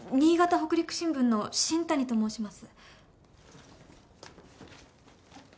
北陸新聞の新谷と申します。